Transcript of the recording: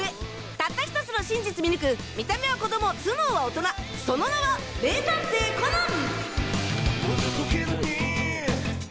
たった１つの真実見抜く見た目は子供頭脳は大人その名は名探偵コナン！